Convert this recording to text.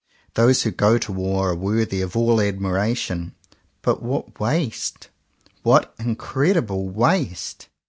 Those who go to war are worthy of all admiration; but what waste — what incredible waste!